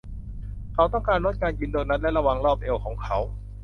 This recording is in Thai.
เขาต้องการลดการกินโดนัทและระวังรอบเอวของเขา